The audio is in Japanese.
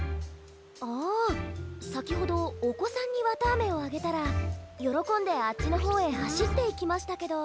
ああさきほどおこさんにわたあめをあげたらよろこんであっちのほうへはしっていきましたけど。